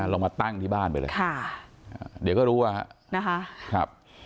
ลงมาตั้งที่บ้านไปเลยเดี๋ยวก็รู้ว่า